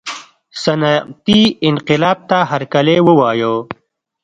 صنعتي انقلاب ته هرکلی ووایه.